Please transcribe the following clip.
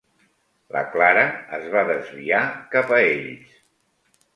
La Clara es va desviar cap a ells.